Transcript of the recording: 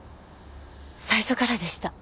最初からでした。